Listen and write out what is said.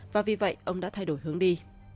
và vì vậy ông đã thay đổi hướng đi